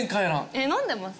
えっ飲んでますか？